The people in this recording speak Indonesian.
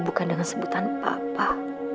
bukan dengan sebutan papa